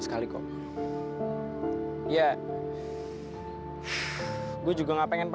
saya tidak kecewa sama sekali